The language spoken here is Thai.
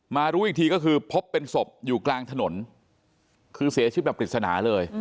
รู้อีกทีก็คือพบเป็นศพอยู่กลางถนนคือเสียชีวิตแบบปริศนาเลย